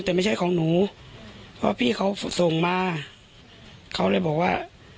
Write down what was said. แต่ไม่ใช่ของหนูเพราะพี่เขาส่งมาเขาเลยบอกว่า